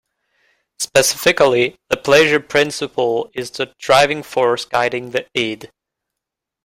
Specifically, the pleasure principle is the driving force guiding the id.